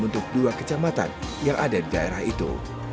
untuk dua kecamatan yang ada di daerah itu